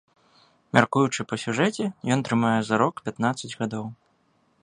Мяркуючы па сюжэце, ён трымае зарок пятнаццаць гадоў.